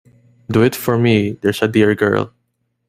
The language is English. Do it for me, there's a dear girl.